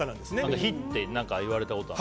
火っていわれたことある。